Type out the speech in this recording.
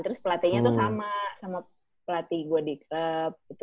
terus pelatihnya tuh sama pelatih gue di klub gitu